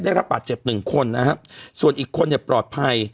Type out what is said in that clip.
ได้รับบาดเจ็บหนึ่งคนนะฮะส่วนอีกคนเนี่ยปลอดภัย